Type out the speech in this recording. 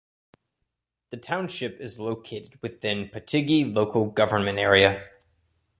The township is located within Patigi Local Government Area.